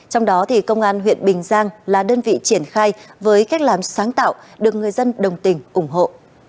trong đó công an huyện bình giang là đơn vị triển khai với cách làm sáng tạo được người dân đồng tình ủng hộ